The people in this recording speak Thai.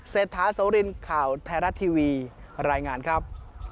เศรษฐาโสรินข่าวไทยรัฐทีวีรายงานครับ